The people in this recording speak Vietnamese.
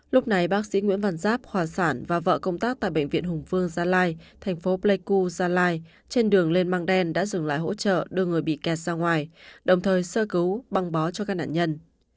lúc này bác sĩ nguyễn văn giáp hòa sản và vợ công tác tại bệnh viện hùng vương gia lai thành phố pleiku gia lai trên đường lên mang đen đã dừng lại hỗ trợ đưa người bị kẹt ra ngoài đồng thời sơ cứu băng bó cho các nạn nhân